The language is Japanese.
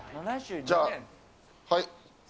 じゃあ、はい。